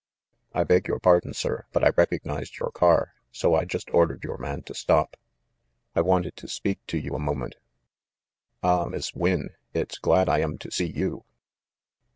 "I beg your pardon, sir, but I recognized your car, so I just ordered your man to stop. I wanted to speak to you a moment. Ah, Miss Wynne, it's glad I am to see you